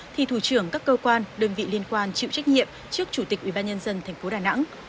thì thủ trưởng các cơ quan đơn vị liên quan chịu trách nhiệm trước chủ tịch ubnd tp đà nẵng